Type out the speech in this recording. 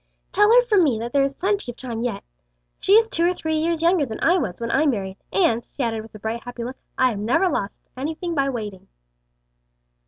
"Tell her from me that there is plenty of time yet. She is two or three years younger than I was when I married, and," she added with a bright, happy look, "I have never thought I lost anything by waiting."